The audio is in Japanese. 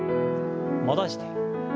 戻して。